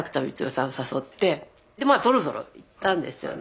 誘ってでまあぞろぞろ行ったんですよね。